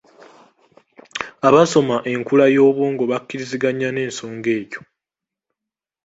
Abasoma enkula y’obwongo bakkiriziganya n’ensonga eyo.